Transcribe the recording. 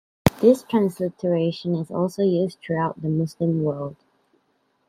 This transliteration is also used throughout the Muslim world.